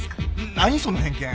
何その偏見。